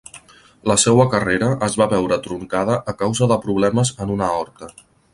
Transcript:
La seua carrera es va veure truncada a causa de problemes en una aorta.